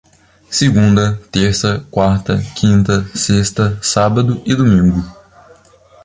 Segunda, terça, quarta, quinta, sexta, sábado e domingo